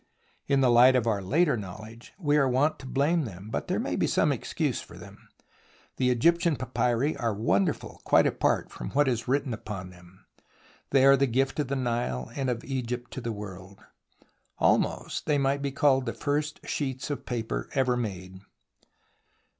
In the light of our later knowledge we are wont to blame them, but there may be some excuse for them. The Egyptian papyri are wonderful, quite apart from what is written upon them. They are the gift of the Nile and of Egypt to the world. Almost they might be called the first sheets of paper ever made.